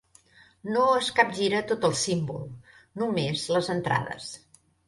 No es capgira tot el símbol; només les entrades.